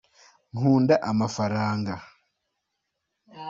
nkunda amafaranga